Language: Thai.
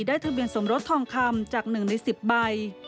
ได้ทะเบียนสมรสทองคำจากหนึ่งในสิบใบ